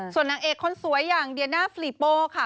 ส่วนนางเอกคนสวยอย่างเดียน่าฟลีโป้ค่ะ